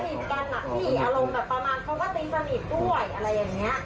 ใช่ตั้งแต่๑ถึง๑๑ที่โดนยกดินแศน๒